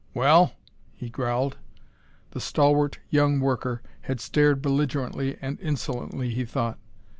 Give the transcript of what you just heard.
"Well?" he growled. The stalwart young worker had stared belligerently and insolently, he thought.